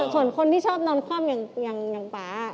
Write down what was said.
ส่วนคนที่ชอบนอนคว่ำอย่างป่า